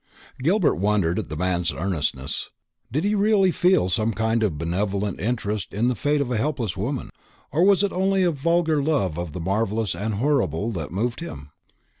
Gilbert wondered at the man's earnestness. Did he really feel some kind of benevolent interest in the fate of a helpless woman, or was it only a vulgar love of the marvellous and horrible that moved him?